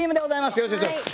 よろしくお願いします。